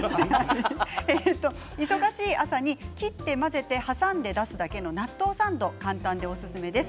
忙しい朝に切って挟んで出すだけの納豆サンドがおすすめです。